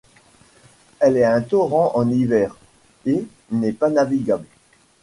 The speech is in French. Elle est un torrent en hiver et n'est pas navigable.